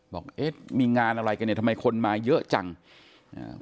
บอกเอ๊ะมีงานอะไรกันเนี่ยทำไมคนมาเยอะจังอ่า